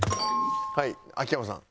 はい秋山さん。